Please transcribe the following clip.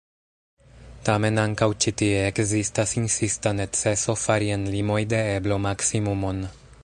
Tamen ankaŭ ĉi tie ekzistas insista neceso fari en limoj de eblo maksimumon.